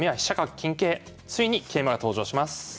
ついに桂馬が登場します。